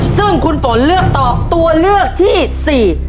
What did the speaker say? ซึ่งคุณฝนเลือกตอบตัวเลือกที่สี่